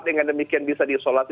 dengan demikian bisa disolasi